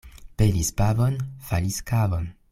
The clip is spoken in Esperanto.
Pelis pavon, falis kavon.